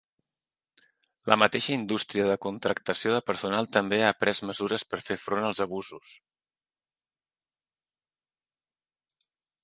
La mateixa indústria de contractació de personal també ha pres mesures per fer front als abusos.